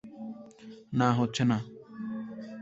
না, হচ্ছে না।